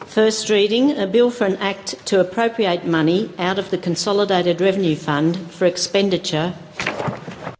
pertama kali laporan untuk anggaran untuk menguasai uang dari pertanian keuangan yang dekat untuk keputusan